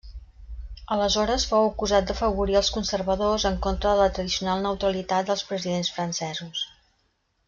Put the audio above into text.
Aleshores fou acusat d'afavorir als conservadors en contra de la tradicional neutralitat dels presidents francesos.